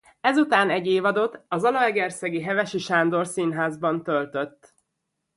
Ezután egy évadot a zalaegerszegi Hevesi Sándor Színházban töltött.